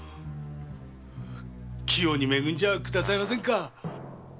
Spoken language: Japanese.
器用に恵んでやっちゃくださいませんか。